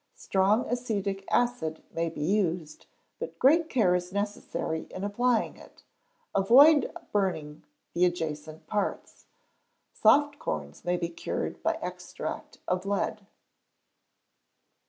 Strong acetic acid may be used, but great care is necessary in applying it, to avoid burning the adjacent parts. Soft corns may be cured by extract of lead.